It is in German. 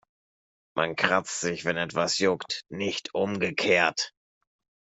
Man kratzt sich, wenn etwas juckt, nicht umgekehrt.